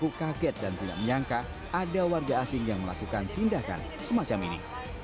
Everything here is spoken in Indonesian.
mengaku kaget dan tidak menyangka ada warga asing yang melakukan tindakan semacam ini